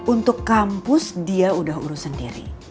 untuk kampus dia udah urus sendiri